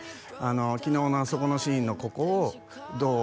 昨日のあそこのシーンのここどう？